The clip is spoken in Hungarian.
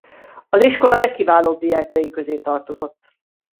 Az iskola legkiválóbb diákjai közé tartozott.